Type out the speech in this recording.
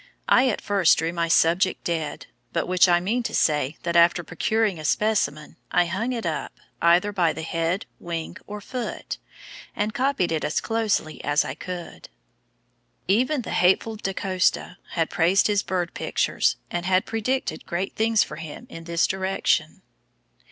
I at first drew my subject dead, by which I mean to say that after procuring a specimen, I hung it up, either by the head, wing, or foot, and copied it as closely as I could." Even the hateful Da Costa had praised his bird pictures and had predicted great things for him in this direction.